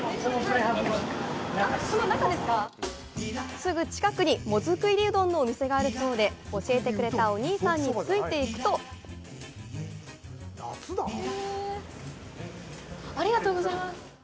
すぐ近くに、もずく入りうどんのお店があるそうで、教えてくれたお兄さんについていくとありがとうございます。